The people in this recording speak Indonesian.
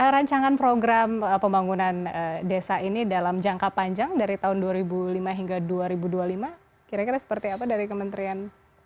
rancangan program pembangunan desa ini dalam jangka panjang dari tahun dua ribu lima hingga dua ribu dua puluh lima kira kira seperti apa dari kementerian